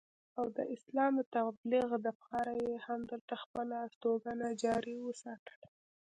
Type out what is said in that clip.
او د اسلام د تبليغ دپاره ئې هم دلته خپله استوګنه جاري اوساتله